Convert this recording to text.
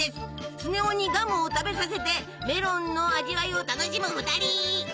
スネ夫にガムを食べさせてメロンの味わいを楽しむ２人。